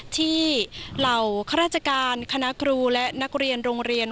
ที่เหล่าคราชการคณกรูและนักเรียนโรงเรียน